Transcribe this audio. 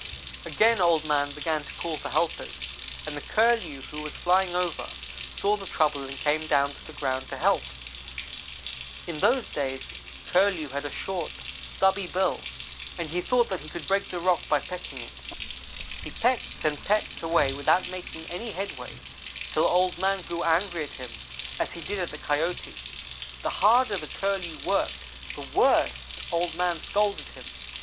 "Again Old man began to call for helpers, and the Curlew, who was flying over, saw the trouble, and came down to the ground to help. In those days Curlew had a short, stubby bill, and he thought that he could break the rock by pecking it. He pecked and pecked away without making any headway, till Old man grew angry at him, as he did at the Coyote. The harder the Curlew worked, the worse Old man scolded him.